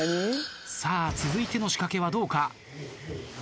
続いての仕掛けはどうか？